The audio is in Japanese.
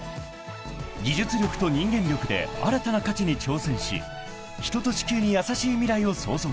［技術力と人間力で新たな価値に挑戦し人と地球に優しい未来を創造する］